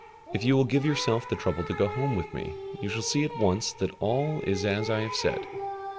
"If you will give yourself the trouble to go home with me, you shall see at once that all is as I have said."